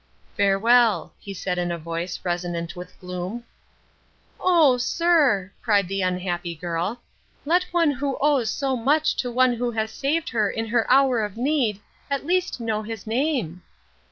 "Farewell," he said, in a voice resonant with gloom. "Oh, sir!" cried the unhappy girl, "let one who owes so much to one who has saved her in her hour of need at least know his name."